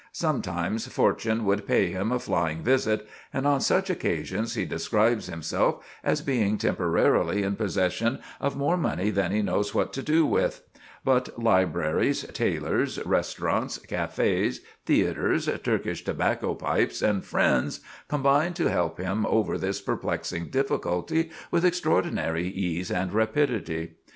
Sometimes fortune would pay him a flying visit, and on such occasions he describes himself as being temporarily in possession of more money than he knows what to do with; but libraries, tailors, restaurants, cafés, theatres, Turkish tobacco pipes, and friends, combined to help him over this perplexing difficulty with extraordinary ease and rapidity.